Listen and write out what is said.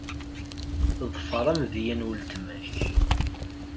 Ḍfeṛ amedya n weltma-k.